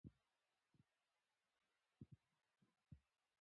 افغانانو بری وموند.